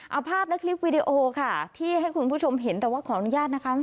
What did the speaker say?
เอาภาพและคลิปวิดีโอค่ะที่ให้คุณผู้ชมเห็นแต่ว่าขออนุญาตนะคะ